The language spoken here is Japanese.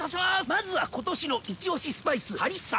まずは今年のイチオシスパイスハリッサ！